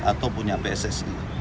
atau punya pssi